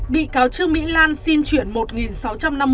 bị cáo chương mỹ lan xin chuyển